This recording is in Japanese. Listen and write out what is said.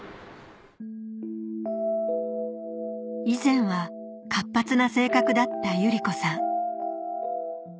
以前は活発な性格だったゆりこさん